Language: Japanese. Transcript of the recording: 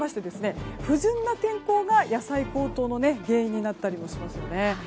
あ不順な天候が野菜高騰の原因になったりしますよね。